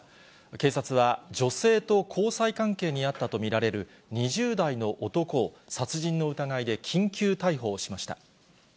警察は、女性と交際関係にあったと見られる２０代の男を殺人の疑いで緊急逮捕をしました。